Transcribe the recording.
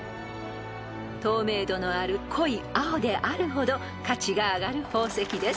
［透明度のある濃い青であるほど価値が上がる宝石です］